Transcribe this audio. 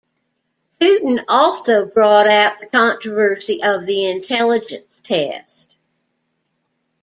Hooton also brought out the controversy of the intelligence test.